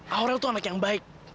aurel itu anak yang baik